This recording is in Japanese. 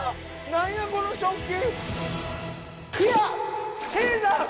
何やこの食器！